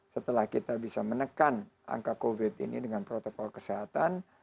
setelah kita bisa menekan angka covid ini dengan protokol kesehatan